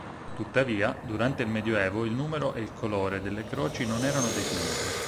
Tuttavia, durante il Medioevo il numero e il colore delle croci non erano definiti.